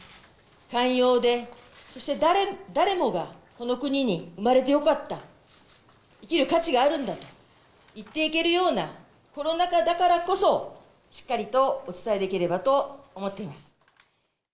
寛容で、そして誰もがこの国に生まれてよかった、生きる価値があるんだと言っていけるような、コロナ禍だからこそ、しっかりとお伝えできればと思っています。